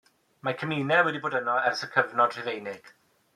Mae cymuned wedi bod yno ers y cyfnod Rhufeinig.